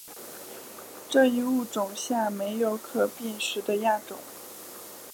这一物种下没有可辨识的亚种。